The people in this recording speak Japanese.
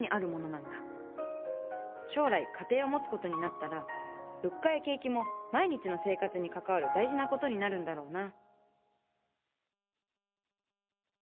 将来家庭を持つことになったら物価や景気も毎日の生活に関わる大事なことになるんだろうな